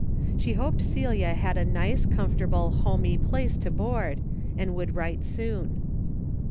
She hoped Celia had a nice comfort DAILY BATE:^ 15 able " homey " place to board and would write soon.